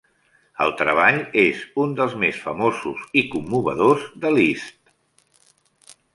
El treball és un dels més famosos i commovedors de Liszt.